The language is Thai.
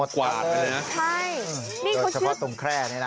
ใช่โดยเฉพาะตุ่มแคร่นี้นะ